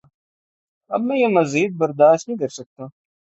اب میں یہ مزید برداشت نہیں کرسکتا